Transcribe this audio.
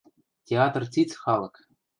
Театр циц халык.